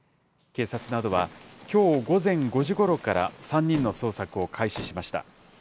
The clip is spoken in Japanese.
警察などは、きょう午前５時ごろから３人の捜索を開始しました。